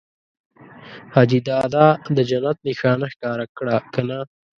حاجي دادا د جنت نښانه ښکاره کړه که نه؟